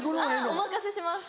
お任せします。